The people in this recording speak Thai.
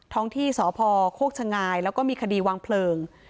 ท้องที่สพโคกชะงายแล้วก็มีคดีวางเพลิง